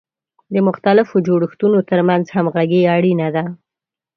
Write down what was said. د مختلفو جوړښتونو ترمنځ همغږي اړینه ده.